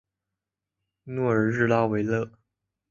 诺尔日拉维勒。